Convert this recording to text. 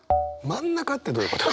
「真ん中」ってどういうこと？